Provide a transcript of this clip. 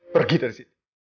pergi dari sini